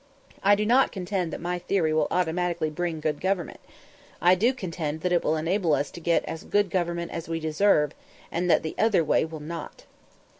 I do not contend that my theory will automatically bring good government. I do contend that it will enable us to get as good government as we deserve, and that the other way will not.